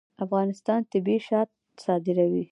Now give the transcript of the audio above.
افغانستان طبیعي شات صادروي